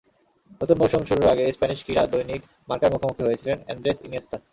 নতুন মৌসুম শুরুর আগে স্প্যানিশ ক্রীড়া দৈনিক মার্কার মুখোমুখি হয়েছিলেন আন্দ্রেস ইনিয়েস্তা।